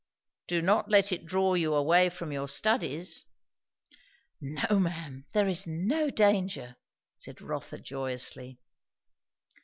"Do not let it draw you away from your studies." "No, ma'am. There is no danger," said Rotha joyously.